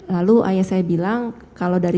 lalu ayah saya bilang kalau dari